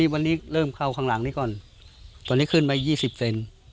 วันนี้เค้าข้างหลังหนี้ก่อนตอนนี้ขึ้นมายี่สิบเซน